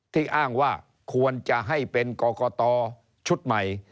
อ้างว่าควรจะให้เป็นกรกตชุดใหม่